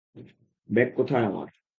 Bag কোথায় আমার?